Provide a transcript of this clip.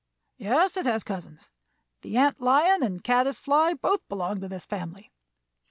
"Yes, it has cousins; the ant lion and caddis fly both belong to this family.